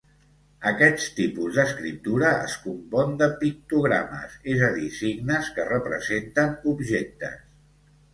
Aquest tipus d'escriptura es compon de pictogrames, és a dir, signes que representen objectes.